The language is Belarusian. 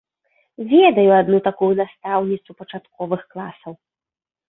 Ведаю адну такую настаўніцу пачатковых класаў.